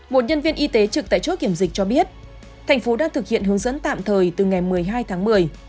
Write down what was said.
một nhân viên y tế trực tại chốt kiểm dịch cho biết thành phố đang thực hiện hướng dẫn tạm thời từ ngày một mươi hai tháng một mươi